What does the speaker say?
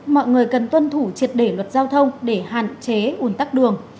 mọi người cần tuân thủ triệt để luật giao thông để hạn chế ủn tắc đường